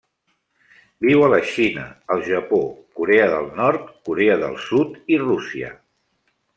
Viu a la Xina, el Japó, Corea del Nord, Corea del Sud i Rússia.